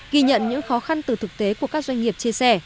ghi nhận những khó khăn từ thực tế của các doanh nghiệp chia sẻ